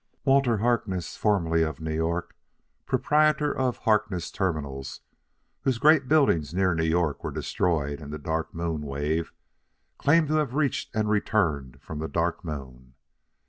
"Walter Harkness, formerly of New York, proprietor of Harkness Terminals, whose great buildings near New York were destroyed in the Dark Moon wave, claims to have reached and returned from the Dark Moon.